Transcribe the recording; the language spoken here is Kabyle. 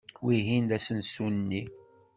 Wihin d asensu-nni.